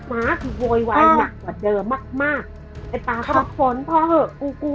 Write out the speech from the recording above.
มาคือโวยวายหนักกว่าเดิมมากมากไอ้ป๊าก็มาฝนพอเหอะกูกลัว